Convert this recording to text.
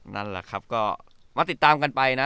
นั่นแหละครับก็มาติดตามกันไปนะ